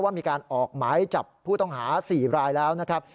มีการออกหมายจับผู้ต้องหา๔รายแล้วนะครับ